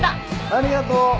ありがとう。